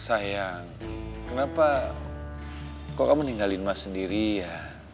sayang kenapa kok kamu meninggalin mas sendiri ya